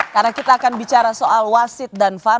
karena kita akan bicara soal wasit dan far